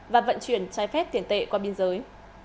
và vận chuyển trái phép tiền tệ qua biên giới